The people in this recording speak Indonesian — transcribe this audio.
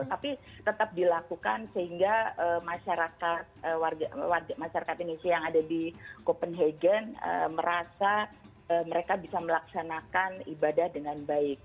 tapi tetap dilakukan sehingga masyarakat indonesia yang ada di copenhagen merasa mereka bisa melaksanakan ibadah dengan baik